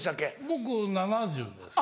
僕７０です。